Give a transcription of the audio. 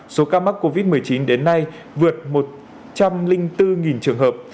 số ca mắc covid một mươi chín đến nay vượt một trăm linh bốn trường hợp